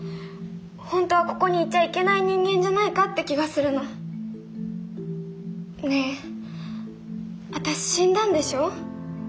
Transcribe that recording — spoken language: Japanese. ほんとはここにいちゃいけない人間じゃないかって気がするの。ねあたし死んだんでしょ？